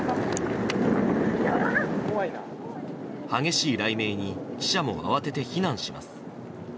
激しい雷鳴に記者も慌てて避難します。